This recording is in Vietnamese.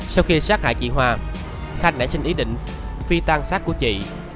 sau khi sát hại chị hoa khanh đã xin ý định phi tan sát của chị